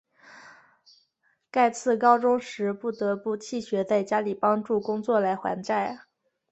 盖茨高中时曾经不得不弃学在家里帮助工作来还债。